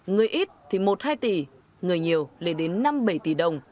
người ít thì một hai tỷ người nhiều lên đến năm bảy tỷ đồng